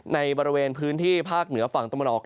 ในบริเวณพื้นที่ภาคเหนือฝั่งตะวันออก